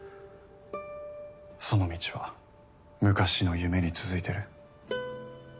その道は昔の夢に続いてる。